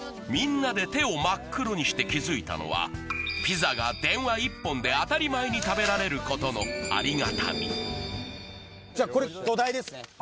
みんなで手を真っ黒にして気づいたのはピザが電話１本で当たり前に食べられることのありがたみじゃこれ土台ですね